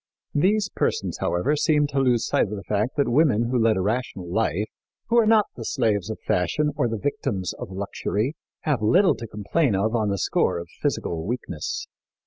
These persons, however, seemed to lose sight of the fact that women who lead a rational life who are not the slaves of fashion or the victims of luxury have little to complain of on the score of physical weakness.